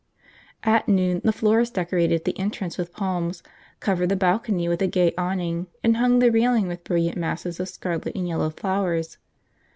At noon the florists decorated the entrance with palms, covered the balcony with a gay awning, and hung the railing with brilliant masses of scarlet and yellow flowers.